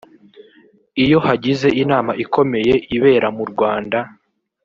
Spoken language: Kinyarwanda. iyo hagize inama ikomeye ibera mu Rwanda